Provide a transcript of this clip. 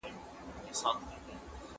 څوک د دې ځواکونو لګښتونه ورکوي؟